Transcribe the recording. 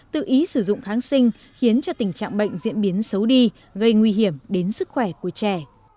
tự ý sử dụng kháng sinh khiến tình trạng bệnh diễn biến xấu đi gây nguy hiểm đến sức khỏe của trẻ